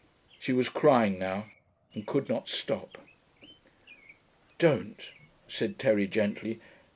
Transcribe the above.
She was crying now, and could not stop. 'Don't,' said Terry gently.